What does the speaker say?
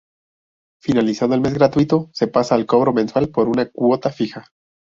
Finalizado el mes gratuito, se pasa al cobro mensual por una cuota fija.